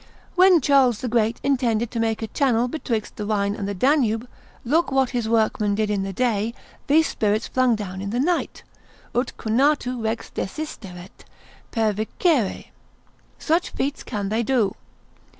When Charles the Great intended to make a channel betwixt the Rhine and the Danube, look what his workmen did in the day, these spirits flung down in the night, Ut conatu Rex desisteret, pervicere. Such feats can they do.